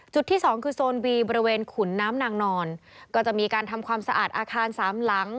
ที่สองคือโซนวีบริเวณขุนน้ำนางนอนก็จะมีการทำความสะอาดอาคารสามหลัง